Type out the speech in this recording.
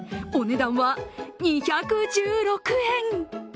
お値段は２１６円。